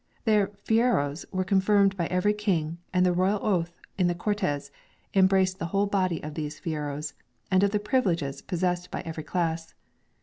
Their "fueros" were confirmed by every king, and the royal oath in the Cortes embraced the whole body of these "fueros" and of the privileges possessed by every class.